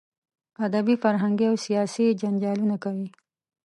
ادبي، فرهنګي او سیاسي جنجالونه کوي.